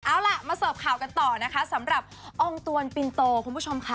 เอาล่ะมาเสิร์ฟข่าวกันต่อนะคะสำหรับองค์ตวนปินโตคุณผู้ชมค่ะ